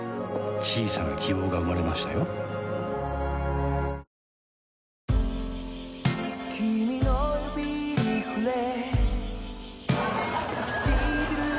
小さな希望が生まれましたよですよねえ。